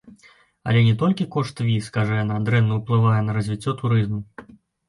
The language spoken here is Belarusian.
Але не толькі кошт віз, кажа яна, дрэнна ўплывае на развіццё турызму.